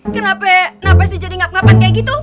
kenapa sih jadi ngapan ngapan kayak gitu